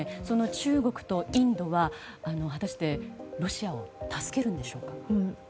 その中国とインドは果たして、ロシアを助けるんでしょうか？